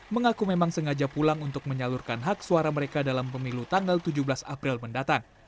mengaku memang sengaja pulang untuk menyalurkan hak suara mereka dalam pemilu tanggal tujuh belas april mendatang